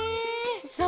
そう。